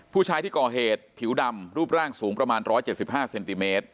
ผู้ชายที่ก่อเหตุผิวดำรูปร่างสูงประมาณ๑๗๕เซนติเมตร